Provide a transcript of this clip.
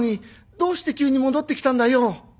どうして急に戻ってきたんだよ？